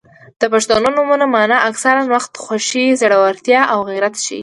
• د پښتو نومونو مانا اکثره وخت خوښي، زړورتیا او غیرت ښيي.